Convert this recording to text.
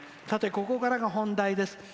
「さて、ここからは本題です。